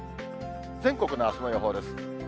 全国のあすの予報です。